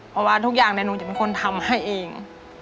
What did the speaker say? เพราะว่าทุกอย่างหนูจะเป็นคนทำให้เอง